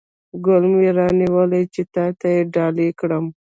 ګل مې را نیولی چې تاته یې ډالۍ کړم